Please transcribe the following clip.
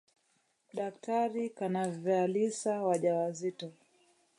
Daktari kanavyalisa wajawazito.